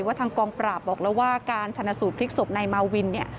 ทางกองปราบบอกแล้วว่าการชนะสูตรพลิกศพนายมาวินเนี่ย